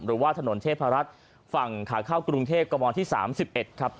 หรือว่าถนนเทพภรรทฯฝั่งขาเข้ากรุงเทพกระมวลที่สามสิบเอ็ดครับ